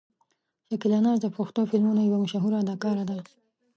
شکیلا ناز د پښتو فلمونو یوه مشهوره اداکاره ده.